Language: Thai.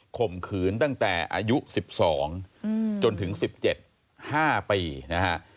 ข่มขืนตั้งแต่อายุ๑๒จนถึง๑๗๕ปีนะฮะ